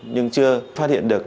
nhưng chưa phát hiện được